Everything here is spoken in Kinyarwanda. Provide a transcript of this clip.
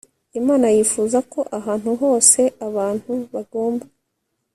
Imana yifuza ko ahantu hose abantu bagomba